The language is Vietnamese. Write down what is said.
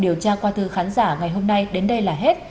điều tra qua thư khán giả ngày hôm nay đến đây là hết